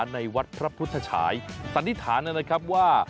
ในวัดพระพุทธฉายสันนิษฐานนะครับว่า